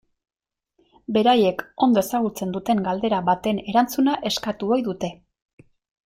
Beraiek ondo ezagutzen duten galdera baten erantzuna eskatu ohi dute.